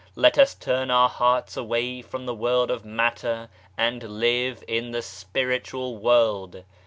Let us turn our hearts away from the world of matter and live in the Spiritual World